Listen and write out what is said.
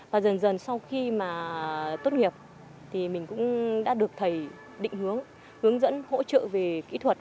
và dần dần sau khi mà tốt nghiệp thì mình cũng đã được thầy định hướng hướng dẫn hỗ trợ về kỹ thuật